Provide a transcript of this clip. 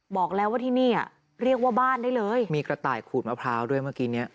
บอกแล้วว่าที่นี่อ่ะเรียกว่าบ้านได้เลยมีกระต่ายขูดมะพร้าวด้วยเมื่อกี้เนี้ย